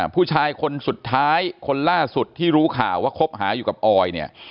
ผู้ชายคนสุดท้ายคนล่าสุดที่รู้ข่าวว่าคบหาอยู่กับออยเนี่ย